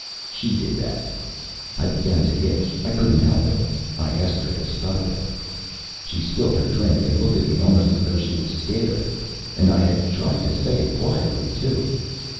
She did that. I began to itch. I couldn't help it. I asked her to stop it. She spilled her drink and looked at me almost as though she was scared and I had tried to say it quietly, too.